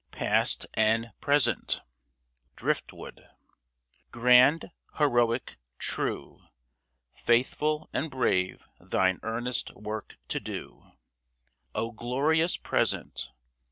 PAST AND PRESENT (Driftwood) Grand, heroic, true, Faithful and brave thine earnest work to do, O glorious present